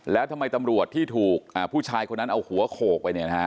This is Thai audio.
แล้วทำไมตำรวจที่ถูกผู้ชายคนนั้นเอาหัวโขกไป